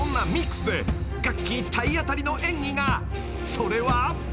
［それは］